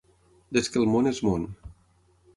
Des que el món és món.